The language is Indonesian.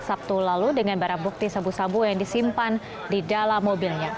sabtu lalu dengan barang bukti sabu sabu yang disimpan di dalam mobilnya